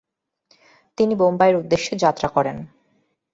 তিনি বোম্বাইয়ের উদ্দেশ্যে যাত্রা করেন।